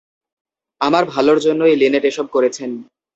আমার ভালোর জন্যই লিনেট এসব করেছেন।